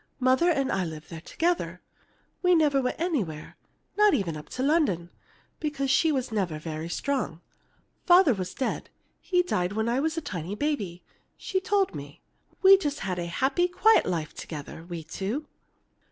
Mother and I lived there together. We never went anywhere, not even up to London, because she was never very strong. Father was dead; he died when I was a tiny baby, she told me. We just had a happy, quiet life together, we two.